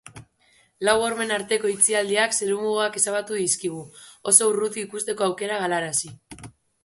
Lau hormen arteko itxialdiak zerumugak ezabatu dizkigu, oso urruti ikusteko aukera galarazi.